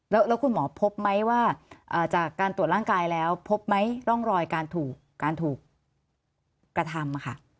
แล้วคุณหมอพบไหมว่าจากการตรวจร่างกายแล้วพบไหมร่องรอยการถูกการถูกกระทำค่ะ